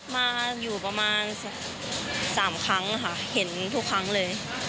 มาอยู่ประมาณ๓ครั้งค่ะเห็นทุกครั้งเลย